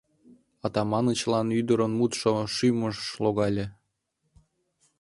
— Атаманычлан ӱдырын мутшо шӱмыш логале.